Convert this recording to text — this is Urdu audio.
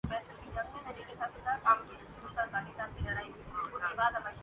پاکستان کا یورپی یونین میں بھارت کی باسمتی چاول کی رجسٹریشن چیلنج کرنیکا اعلان